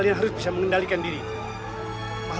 jangan banyak bicara ayo belakang rumahnya